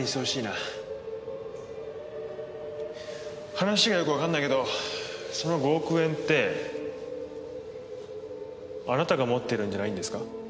話がよくわかんないけどその５億円ってあなたが持ってるんじゃないんですか？